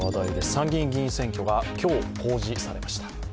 参議院議員選挙が今日、公示されました。